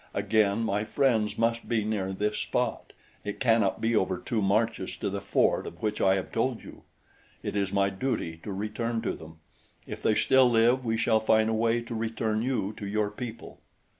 Again, my friends must be near this spot it cannot be over two marches to the fort of which I have told you. It is my duty to return to them. If they still live we shall find a way to return you to your people."